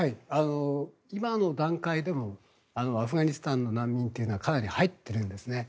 今の段階でもアフガニスタンの難民というのはかなり入っているんですね。